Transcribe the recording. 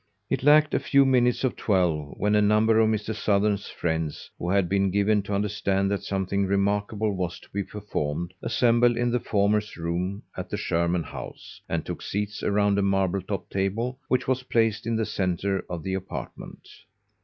It lacked a few minutes of 12 when a number of Mr. Sothern's friends, who had been given to understand that something remarkable was to be performed, assembled in the former's room at the Sherman House and took seats around a marble top table, which was placed in the center of the apartment.